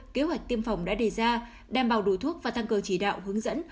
kế hoạch tiêm phòng đã đề ra đảm bảo đủ thuốc và tăng cường chỉ đạo hướng dẫn